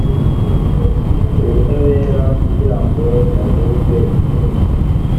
ubutabera kugira ngo bagezwe imbere